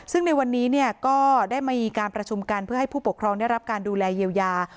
ซึ่งในวันนี้ก็ได้มีการประชุมกันเพื่อให้ผู้ปกครองได้รับการดูแลเยียวยา